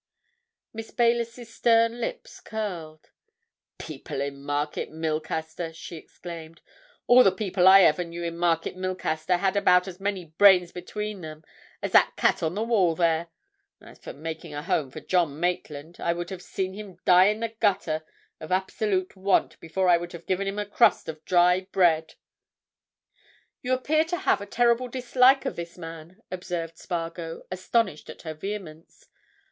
Miss Baylis's stern lips curled. "People in Market Milcaster!" she exclaimed. "All the people I ever knew in Market Milcaster had about as many brains between them as that cat on the wall there. As for making a home for John Maitland, I would have seen him die in the gutter, of absolute want, before I would have given him a crust of dry bread!" "You appear to have a terrible dislike of this man," observed Spargo, astonished at her vehemence.